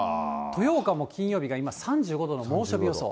豊岡も金曜日が、今、３５度の猛暑日予想。